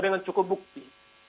dengan cukup bukti